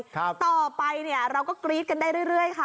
ต่อไปเนี่ยเราก็กรี๊ดกันได้เรื่อยค่ะ